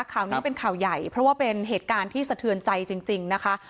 ข่าวนี้เป็นข่าวใหญ่เพราะว่าเป็นเหตุการณ์ที่สะเทือนใจจริงนะคะ